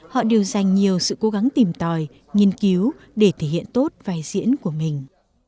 họ đều dành nhiều sự cố gắng tìm tòi nghiên cứu để thể hiện tốt vai diễn của mình